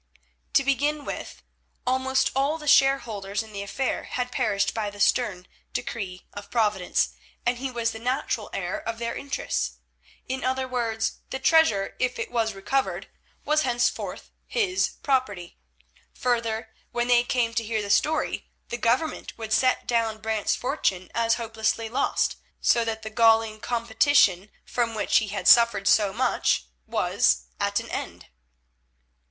To begin with, almost all the shareholders in the affair had perished by the stern decree of Providence, and he was the natural heir of their interests. In other words, the treasure, if it was recovered, was henceforth his property. Further, when they came to hear the story, the Government would set down Brant's fortune as hopelessly lost, so that the galling competition from which he had suffered so much was at an end.